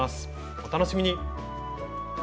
お楽しみに。